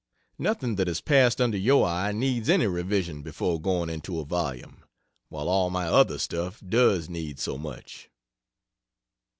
Nothing that has passed under your eye needs any revision before going into a volume, while all my other stuff does need so much."